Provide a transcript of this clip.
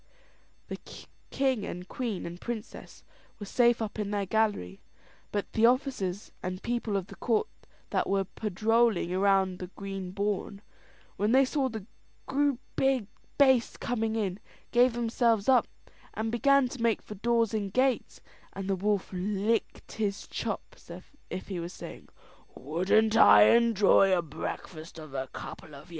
The king and queen and princess were safe up in their gallery, but the officers and people of the court that wor padrowling about the great bawn, when they saw the big baste coming in, gave themselves up, and began to make for doors and gates; and the wolf licked his chops, as if he was saying, "Wouldn't I enjoy a breakfast off a couple of yez!"